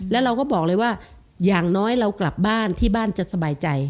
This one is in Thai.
แล้วเราก็บอกเลยว่าอย่างน้อยเรากลับบ้านที่บ้านจะสบายใจ